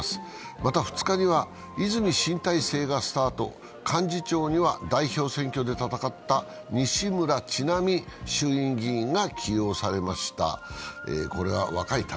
また、２日には泉新体制がスタート幹事長には代表選挙で戦った西村智奈美衆院議員が起用されました。